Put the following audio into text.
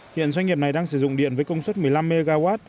hiện doanh nghiệp này đang sử dụng điện với công suất một mươi năm mw